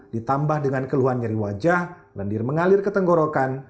ditambah dengan keluhan nyeri wajah lendir mengalir ke tenggorokan